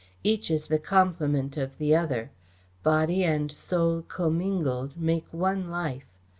Each is the complement of the other. Body and Soul commingled make one life.